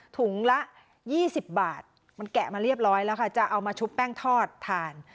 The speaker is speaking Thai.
ถุงละ๒๐บาทมันแกะมาเรียบร้อยแล้วค่ะจะเอามาชุบแป้งทอดทาน